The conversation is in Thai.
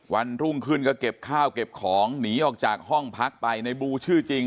วันรุ่งขึ้นก็เก็บข้าวเก็บของหนีออกจากห้องพักไปในบูชื่อจริง